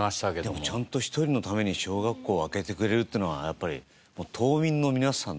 でもちゃんと１人のために小学校を開けてくれるっていうのはやっぱり。